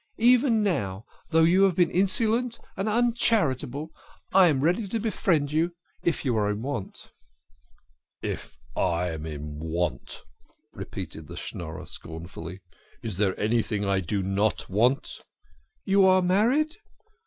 Even now, though you have been insolent and uncharitable, I am ready to befriend you if you are in want." " If I am in want !" repeated the Schnorrer scornfully. " Is there anything I do not want? " "You are married?"